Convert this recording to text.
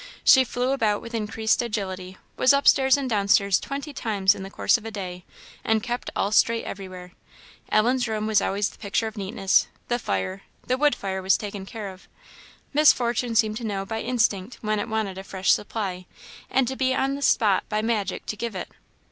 She flew about with increased agility; was upstairs and downstairs twenty times in the course of a day, and kept all straight everywhere. Ellen's room was always the picture of neatness; the fire, the wood fire was taken care of; Miss Fortune seemed to know, by instinct, when it wanted a fresh supply, and to be on the spot by magic to give it.